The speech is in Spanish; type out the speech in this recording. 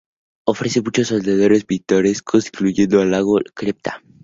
Ofrece muchos senderos pintorescos, incluyendo el lago Cripta.